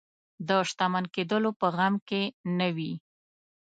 د شتمن کېدلو په غم کې نه وي.